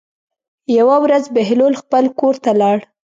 یوه ورځ بهلول خپل کور ته لاړ.